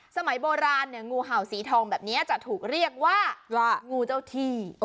สมัยโบราณเนี่ยงูเห่าสีทองแบบนี้จะถูกเรียกว่างูเจ้าที่